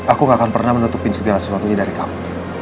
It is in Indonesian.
aku gak akan pernah menutupi segala sesuatu ini dari kamu